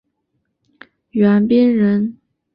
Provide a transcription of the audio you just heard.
袁彬人。